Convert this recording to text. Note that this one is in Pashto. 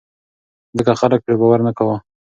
ځکه خلک پرې باور نه کاوه.